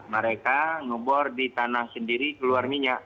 mereka ngebor di tanah sendiri keluar minyak